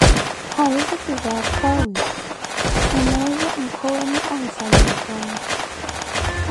Harussi pizaa atthu awiri, mwimuuze nkwewenu ahisala eettamo.